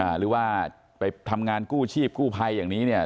หรือว่าไปทำงานกู้ชีพกู้ภัยอย่างนี้เนี่ย